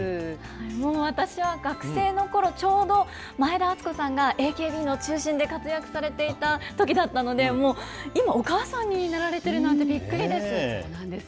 もう私は学生の頃、ちょうど前田敦子さんがＡＫＢの中心で活躍されていたときだったので、もう今、お母さんになられてるなんてびっくりです。